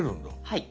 はい。